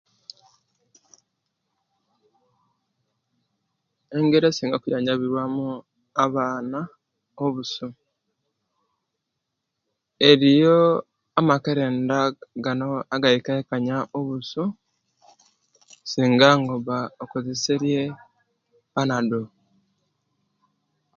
Engeri esinga okujanjabiwa mu abaana obusu eriyo amakerenda gano agaikakanya obusu singa nga oba okozeseriye panado